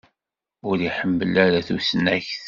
Ur iḥemmel ara tusnakt.